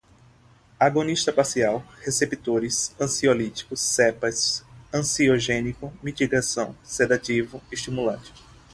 agonista parcial, receptores, ansiolítico, cepas, ansiogênico, mitigação, sedativo, estimulante